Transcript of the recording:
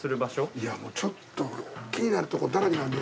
いやもうちょっと気になるとこだらけなんで。